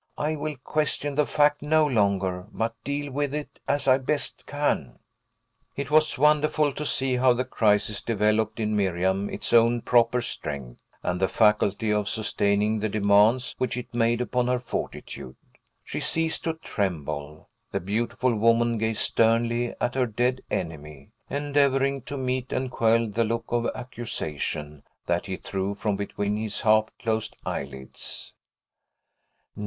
I will question the fact no longer, but deal with it as I best can." It was wonderful to see how the crisis developed in Miriam its own proper strength, and the faculty of sustaining the demands which it made upon her fortitude. She ceased to tremble; the beautiful woman gazed sternly at her dead enemy, endeavoring to meet and quell the look of accusation that he threw from between his half closed eyelids.